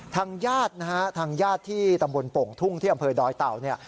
ทางญาตินะฮะทางญาติที่ตำบลโป่งทุ่งที่อำเภอดอยเต่าเนี่ย